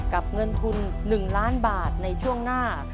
เงินทุน๑ล้านบาทในช่วงหน้า